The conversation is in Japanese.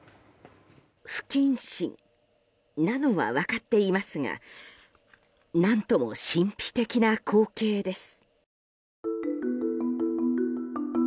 不謹慎なのは分かっていますが何とも神秘的な光景です。